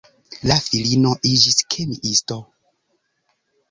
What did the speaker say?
Li filino iĝis kemiisto.